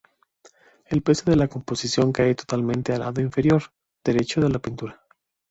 El peso de la composición cae totalmente al lado inferior derecho de la pintura.